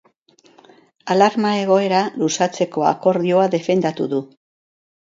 Alarma egoera luzatzeko akordioa defendatu du.